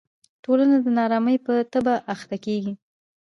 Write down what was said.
ټولنه د نا ارامۍ په تبه اخته کېږي.